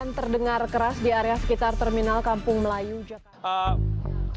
dan terdengar keras di area sekitar terminal kampung melayu jakarta